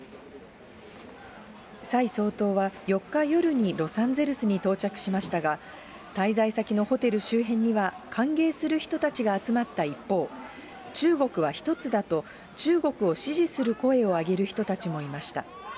蔡総統は４日夜にロサンゼルスに到着しましたが、滞在先のホテル周辺には、歓迎する人たちが集まった一方、中国は一つだと、中国を支持する声を上げる人たちもいました。